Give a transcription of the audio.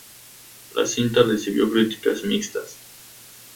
La cinta recibió críticas mixtas.